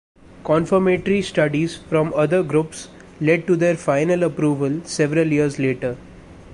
Confirmatory studies from other groups led to their final approval several years later.